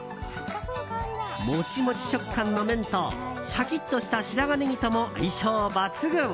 モチモチ食感の麺とシャキッとした白髪ネギとも相性抜群。